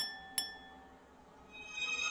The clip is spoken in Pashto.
ښایي معلم صاحب زموږ پاڼه وړاندي کړي.